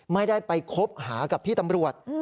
ไม่ได้ไปคบหากับพี่ตำรวจ